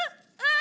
あ！